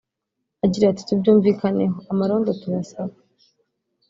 Agira ati “Tubyumvikaneho amarondo tubasaba